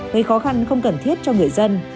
gây khó khăn không cần thiết cho người dân